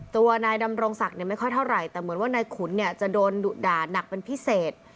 ตัวนายดำรงศักดิ์ไม่ค่อยเท่าไหร่แต่เหมือนว่านายขุนเนี่ยจะโดนดุด่านักเป็นพิเศษ